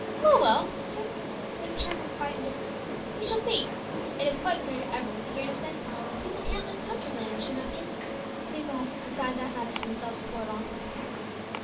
"Well, well," he returned, in a tone of quiet indifference, "we shall see. It is quite clear to every one with a grain of sense that people can't live comfortably under two masters; the people will have to decide that matter for themselves before long."